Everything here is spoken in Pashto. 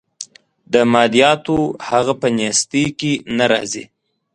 د مادیاتو هغه په نیستۍ کې نه راځي.